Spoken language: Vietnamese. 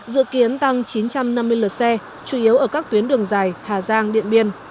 dự kiến tăng chín trăm năm mươi lượt xe chủ yếu ở các tuyến đường dài hà giang điện biên